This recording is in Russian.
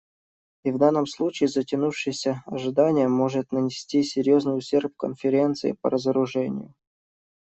И в данном случае затянувшееся ожидание может нанести серьезный ущерб Конференции по разоружению.